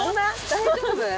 大丈夫？